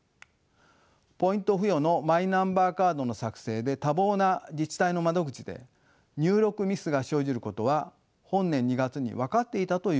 ポイント付与のマイナンバーカードの作成で多忙な自治体の窓口で入力ミスが生じることは本年２月に分かっていたということです。